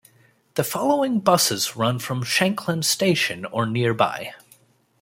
The following buses run from Shanklin Station or nearby.